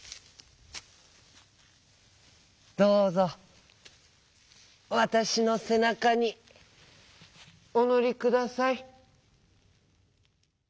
「どうぞわたしのせなかにおのりください」。